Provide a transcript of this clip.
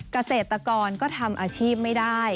เกษตรกรก็ทำอาชีพไม่ได้